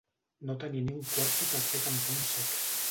No tenir ni un quarto per fer cantar un cec.